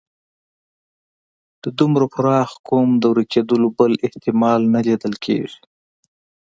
د دومره پراخ قوم د ورکېدلو بل احتمال نه لیدل کېږي.